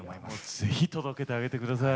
是非届けてあげてください。